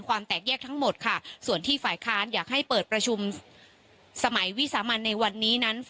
แตกแยกทั้งหมดค่ะส่วนที่ฝ่ายค้านอยากให้เปิดประชุมสมัยวิสามันในวันนี้นั้น